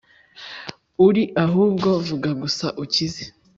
uri Ahubwo vuga gusa ukize